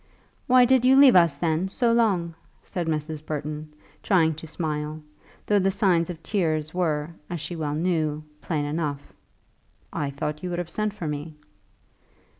"Why did you leave us, then, so long?" said Mrs. Burton, trying to smile, though the signs of tears were, as she well knew, plain enough. "I thought you would have sent for me."